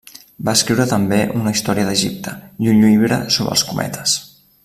Va escriure també una història d'Egipte, i un llibre sobre els cometes.